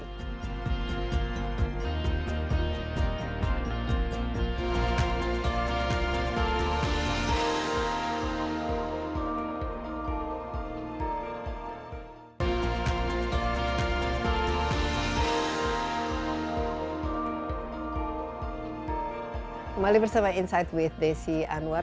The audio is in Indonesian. kembali bersama insight with desi anwar